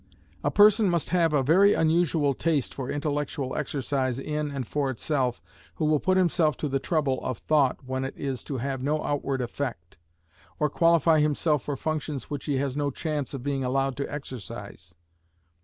A person must have a very unusual taste for intellectual exercise in and for itself who will put himself to the trouble of thought when it is to have no outward effect, or qualify himself for functions which he has no chance of being allowed to exercise.